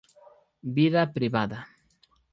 Vida Privada